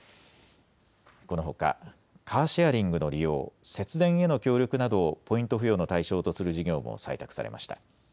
このほかカーシェアリングの利用、節電への協力などをポイント付与の対象とする事業も採択されました。